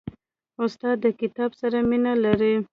استاد د کتاب سره مینه لري.